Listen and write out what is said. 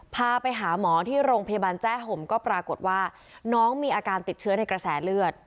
พาไปหาหมอที่โรงพยาบาลแจ้ห่มก็ปรากฏว่าน้องมีอาการติดเชื้อในกระแสเลือด